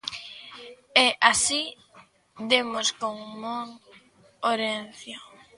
E así demos con Mon Horencio.